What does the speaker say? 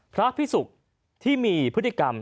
พระพิสุกที่มีพฤติกรรม